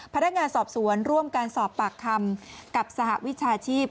พนักงานสอบสวนร่วมการสอบปากคำกับสหวิชาชีพ